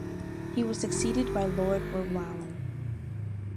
He was succeeded by Lord Rowallan.